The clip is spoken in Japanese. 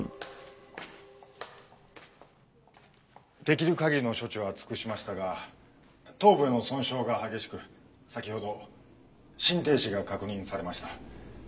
できる限りの処置は尽くしましたが頭部への損傷が激しく先ほど心停止が確認されました。